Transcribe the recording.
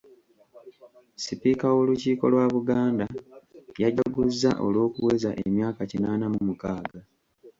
Sipiika w'Olukiiko lwa Buganda, yajaguzza olw'okuweza emyaka kinaana mu mukaaga.